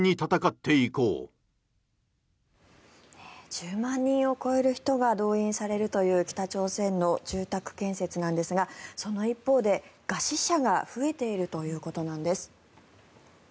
１０万人を超える人が動員されるという北朝鮮の住宅建設なんですがその一方で餓死者が増えているということです。